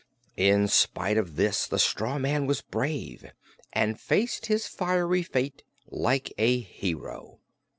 In spite of this, the straw man was brave and faced his fiery fate like a hero.